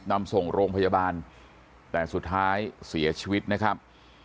นำส่งโรงพยาบาลแต่สุดท้ายเสียชีวิตนะครับ